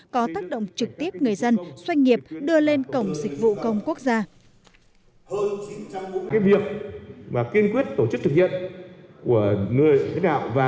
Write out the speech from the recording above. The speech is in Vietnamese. có tác động trực tiếp người dân doanh nghiệp đưa lên cổng dịch vụ công quốc gia